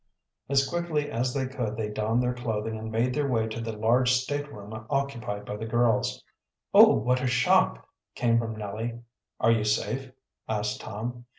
As quickly as they could they donned their clothing and made their way to the large state room occupied by the girls. "Oh, what a shock!" came from Nellie. "Are you safe?" asked Tom.